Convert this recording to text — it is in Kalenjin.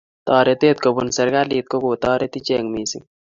taretet kobun serekalit ko kotaret ichek mising